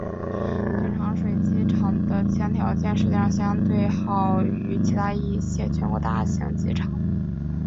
并且长水机场的气象条件实际上相对好于其他一些全国大型机场。